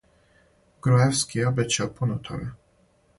Груевски је обећао пуно тога.